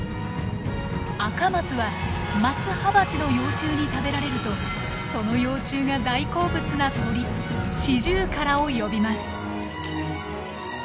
アカマツはマツハバチの幼虫に食べられるとその幼虫が大好物な鳥シジュウカラを呼びます。